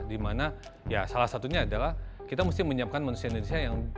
dimana ya salah satunya adalah kita mesti menyiapkan manusia indonesia yang